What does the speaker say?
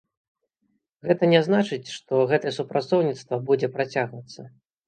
Гэта не значыць, што гэтае супрацоўніцтва будзе працягвацца.